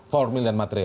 formil dan material